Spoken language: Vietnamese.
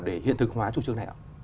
để hiện thực hóa chủ trương này ạ